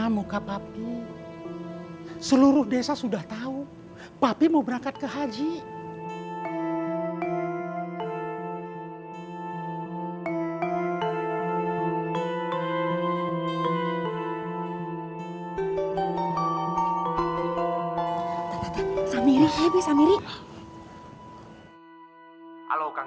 mobil yang sudah m disci tig